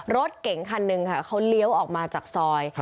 รถเก๋งคันหนึ่งค่ะเขาเลี้ยวออกมาจากซอย